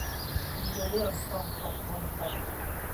มีเรื่องต้องตกลงกัน